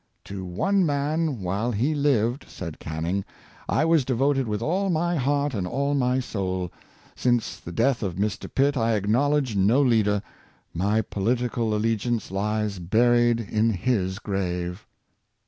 *' To one man, while he lived," said Canning, " I was devoted with all my heart and all my soul. Since the death of Mr. Pitt I acknowledge no leader; my politi cal allegiance lies buried in his grave."